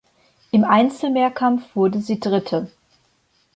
Im Einzelmehrkampf wurde sie Dritte.